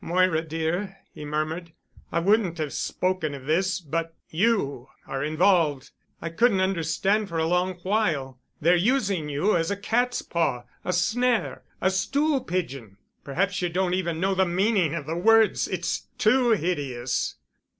"Moira, dear," he murmured, "I wouldn't have spoken of this—but you are involved—I couldn't understand for a long while. They're using you as a cat's paw—a snare—a stool pigeon. Perhaps you don't even know the meaning of the words—it's too hideous!"